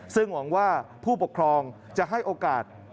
ซึ่งหวังว่าผู้ปกครองจะให้โอกาส